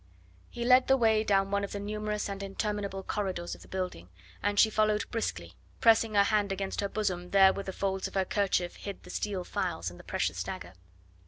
He led the way down one of the numerous and interminable corridors of the building, and she followed briskly, pressing her hand against her bosom there where the folds of her kerchief hid the steel files and the precious dagger.